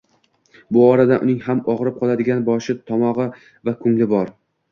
Bu orada, uning ham ogʻrib qoladigan boshi, tomogʻi va koʻngli bor